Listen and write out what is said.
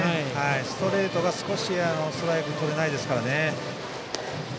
ストレートが少しストライクとれないですからね。